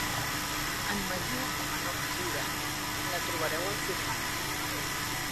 En major o menor mesura, la trobareu al firmament.